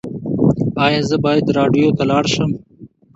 ایا زه باید راډیو ته لاړ شم؟